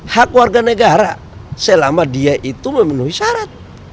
hak warga negara selama dia itu memenuhi syarat